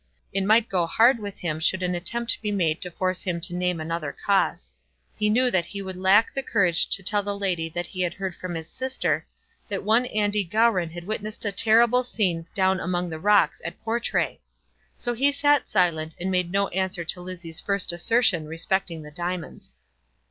It might go hard with him should an attempt be made to force him to name another cause. He knew that he would lack the courage to tell the lady that he had heard from his sister that one Andy Gowran had witnessed a terrible scene down among the rocks at Portray. So he sat silent, and made no answer to Lizzie's first assertion respecting the diamonds.